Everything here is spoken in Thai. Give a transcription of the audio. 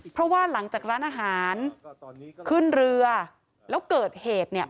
เพราะว่าหลังจากร้านอาหารขึ้นเรือแล้วเกิดเหตุเนี่ย